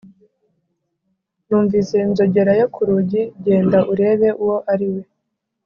numvise inzogera yo ku rugi. genda urebe uwo ari we.